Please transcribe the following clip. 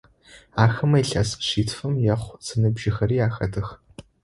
Ахэмэ илъэс шъитфым ехъу зыныбжьыхэри ахэтых.